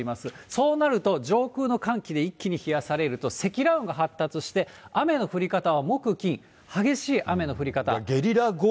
そうなると、上空の寒気で一気に冷やされると、積乱雲が発達して、雨の降り方は木、金、激しい雨の降り方。